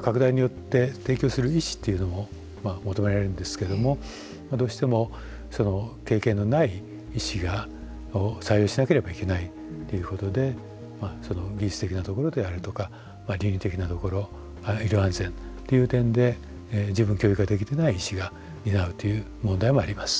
拡大によって提供する医師というのも求められるんですけどもどうしても経験のない医師を採用しなければいけないということで技術的なところであるとか倫理的なところ医療安全という点で十分教育ができてない医師が担うという問題もあります。